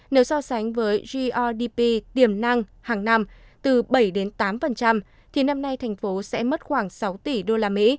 nếu so sánh với grdp tiềm năng hàng năm từ bảy tám thì năm nay tp sẽ mất khoảng sáu tỷ usd